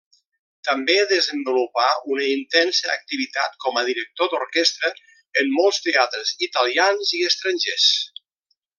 També desenvolupà una intensa activitat com a director d'orquestra en molts teatres italians i estrangers.